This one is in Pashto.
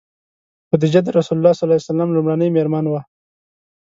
خدیجه د رسول الله ﷺ لومړنۍ مېرمن وه.